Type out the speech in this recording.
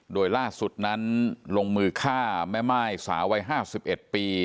โดยล่าสุดนั้นลงมือฆ่าแม่ม่ายสาววัย๕๑ปี